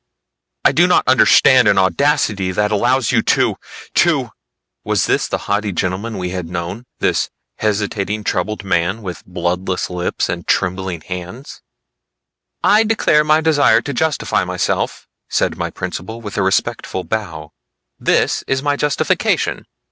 "I do not understand an audacity that allows you to to " Was this the haughty gentleman we had known, this hesitating troubled man with bloodless lips and trembling hands? "I declared my desire to justify myself," said my principal with a respectful bow. "This is my justification.